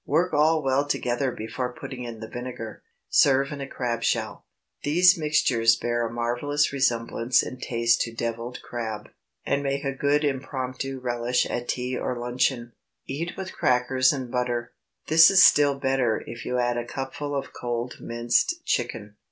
Work all well together before putting in the vinegar. Serve in a crab shell. These mixtures bear a marvellous resemblance in taste to devilled crab, and make a good impromptu relish at tea or luncheon. Eat with crackers and butter. This is still better if you add a cupful of cold minced chicken.